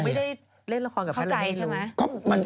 ไม่ได้เล่นละครกับแพทย์เลยใช่ไหม